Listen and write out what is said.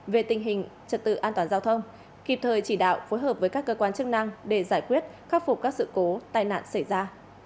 về tình hình trật tự an toàn giao thông kịp thời chỉ đạo phối hợp với các cơ quan chức năng để giải quyết khắc phục các sự cố tai nạn xảy ra